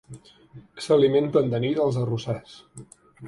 S'alimenten de nit als arrossars.